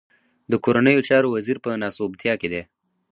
د کورنيو چارو وزير په ناسوبتيا کې دی.